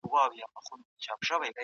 منحصر به فرد کتابونه دي.